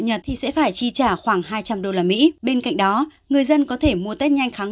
nhật thì sẽ phải chi trả khoảng hai trăm linh đô la mỹ bên cạnh đó người dân có thể mua tết nhanh kháng